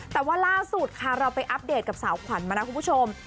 แต่ว่าล่าสุดค่ะเราไปอัปเดตกับสาวขวัญมานะคุณผู้ชม